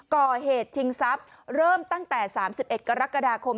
ก่อเหตุทิ้งทรัพย์เริ่มตั้งแต่สามสิบเอ็ดกรกฎาคม